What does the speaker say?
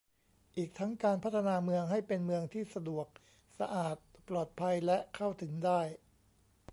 อีกทั้งการพัฒนาเมืองให้เป็นเมืองที่สะดวก สะอาด ปลอดภัย และ เข้าถึงได้